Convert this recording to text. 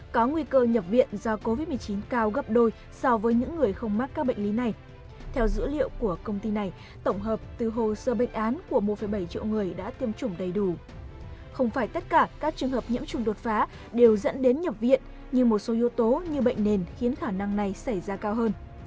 các trường hợp nhiễm trùng đột phá đều dẫn đến nhập viện nhưng một số yếu tố như bệnh nền khiến khả năng này xảy ra cao hơn